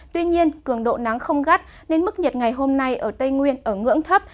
tuy nhiên cường độ nắng không gắt nên mức nhiệt ngày hôm nay ở tây nguyên ở ngưỡng thấp